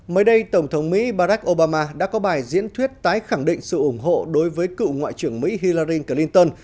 mới đây tổng thống mỹ barack obama đã có bài diễn thuyết tái khẳng định sự ủng hộ đối với cựu ngoại trưởng mỹ hillaring clinton